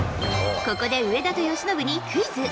ここで上田と由伸にクイズ。